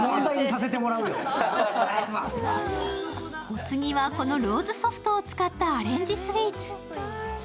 お次は、このローズソフトを使ったアレンジスイーツ。